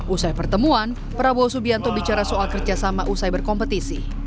usai pertemuan prabowo subianto bicara soal kerjasama usai berkompetisi